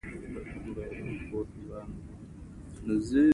سردار نصرالله خان جرمنیانو ته وویل.